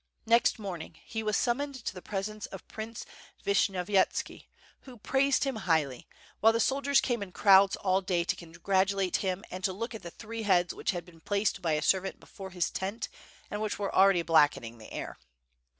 Next morning he was summoned to the presence of Prince Vishnyovyetski, who praised him highly, while the soldiers came in crowds all day to congratu late him and to look at the three heads which had been placed by a servant before his tent and which were already black ening the air.